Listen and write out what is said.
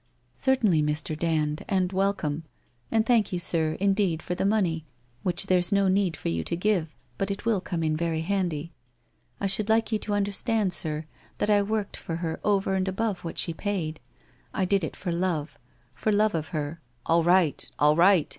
1 Certainly, Mr. Dand, and welcome. And thank you, sir, indeed for the money, which there's no need for you to give — but it will come in very handy. I should like you to understand, sir, that I worked for her over and above what she paid. I did it for love — for love of her '* All right. All right